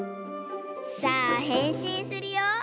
さあへんしんするよ！